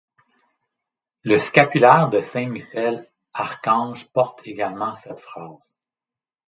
Le scapulaire de saint Michel Archange porte également cette phrase.